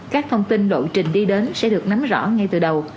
các thông tin lộ trình đi đến sẽ được nắm rõ ngay từ đầu